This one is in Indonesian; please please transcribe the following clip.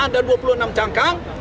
ada dua puluh enam cangkang